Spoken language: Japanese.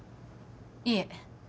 いえ